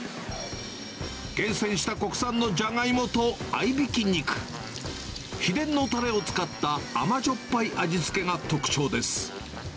厳選した国産のじゃがいもと合いびき肉、秘伝のたれを使った甘じょっぱい味付けが特徴です。